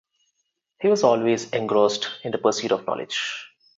He was always engrossed in the pursuit of knowledge.